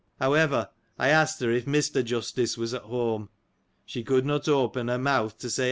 However, I asked her, if Mr. Justice was at home. She could not open her mouth to say aye or no, 1.